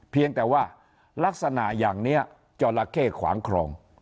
เพียงแต่ว่าลักษณะอย่างนี้จราเข้ขวางครอง